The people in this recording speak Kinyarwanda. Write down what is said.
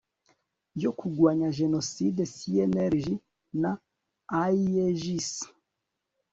yo kurwanya jenoside cnlg na aegis